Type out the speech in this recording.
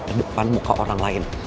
terdepan muka orang lain